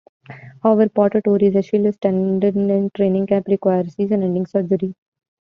However, Porter tore his Achilles tendon in training camp, requiring season-ending surgery.